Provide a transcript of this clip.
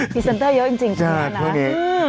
พรีเซนเตอร์เยอะจริงทุกคนนะ